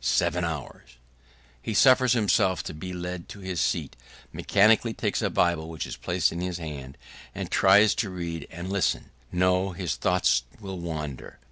Seven hours! He suffers himself to be led to his seat, mechanically takes the bible which is placed in his hand, and tries to read and listen. No: his thoughts will wander.